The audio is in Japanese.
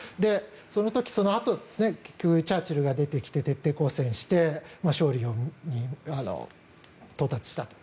その時、そのあと結局チャーチルが出てきて徹底抗戦して勝利に到達したと。